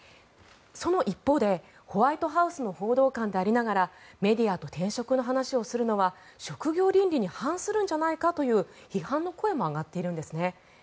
その一方でホワイトハウスの報道官でありながらメディアと転職の話をするのは職業倫理に反するんじゃないかという批判の声も上がっているんですね。